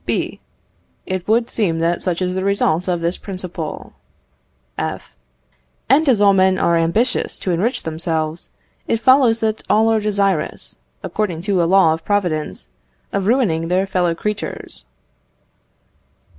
B. It would seem that such is the result of this principle. F. And as all men are ambitious to enrich themselves, it follows that all are desirous, according to a law of Providence, of ruining their fellow creatures.